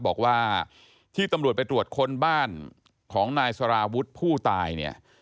บอกว่าที่ตำรวจไปตรวจค้นบ้านของนายสารวุฒิผู้ตายเนี่ย